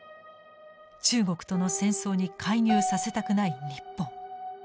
中国との戦争に介入させたくない日本。